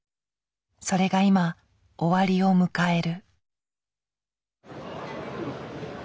それが今終わりを迎える。